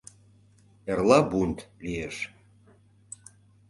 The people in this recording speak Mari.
— Эрла бунт лиеш...